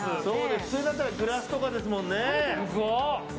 普通だったらグラスとかですもんね。